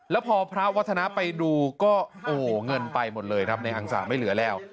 แล้วพอพระวัฒนาไปดูก็โอ้โหเงินไปหมดเลยครับในอังศาไม่เหลือแล้ว